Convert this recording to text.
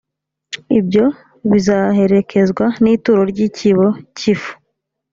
ibyo bizaherekezwa n’ituro ry’icyibo cy’ifu.